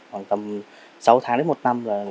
khoảng tầm sáu tháng đến một năm rồi